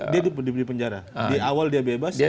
dia di penjara di awal dia bebas